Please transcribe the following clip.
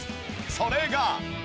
それが。